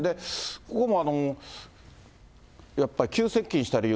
ここもやっぱり、急接近した理由。